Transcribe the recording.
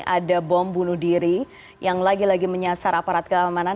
ada bom bunuh diri yang lagi lagi menyasar aparat keamanan